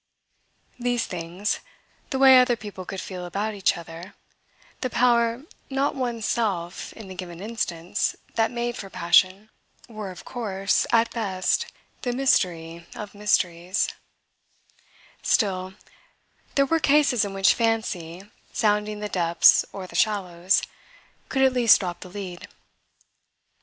These things the way other people could feel about each other, the power not one's self, in the given instance, that made for passion were of course at best the mystery of mysteries; still, there were cases in which fancy, sounding the depths or the shallows, could at least drop the lead.